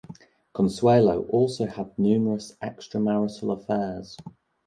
Consuelo also had numerous extramarital affairs.